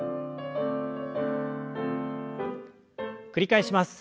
繰り返します。